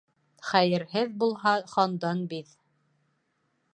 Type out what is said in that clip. Хәйерһеҙ булһа, хандан биҙ.